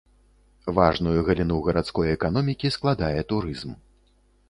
Важную галіну гарадской эканомікі складае турызм.